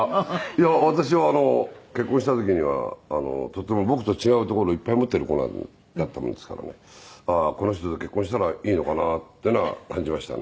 いや私はあの結婚した時にはとても僕と違うところをいっぱい持ってる子だったもんですからねこの人と結婚したらいいのかなっていうのは感じましたね。